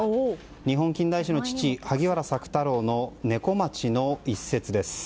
日本近代史の父萩原朔太郎の「猫町」の一節です。